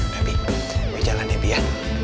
nah bi boy jalan ya bi ya